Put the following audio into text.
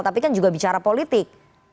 tapi kan juga bicara politik